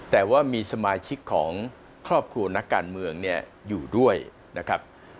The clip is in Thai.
แต่ว่ามีสมาชิกของครอบครัวนักการเมืองเนี่ยอยู่ด้วยนะครับ